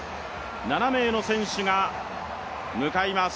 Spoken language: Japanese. ７名の選手が向かいます。